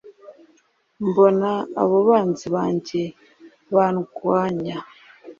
mbona abo banzi banjye bandwanya